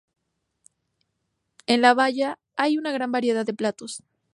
En La Baya hay una gran variedad de platos.